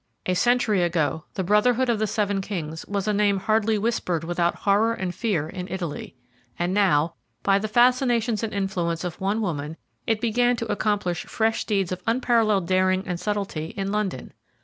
A century ago the Brotherhood of the Seven Kings was a name hardly whispered without horror and fear in Italy, and now, by the fascinations and influence of one woman, it began to accomplish fresh deeds of unparalleled daring and subtlety in London.